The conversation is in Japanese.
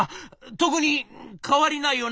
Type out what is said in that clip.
特に変わりないよな？」。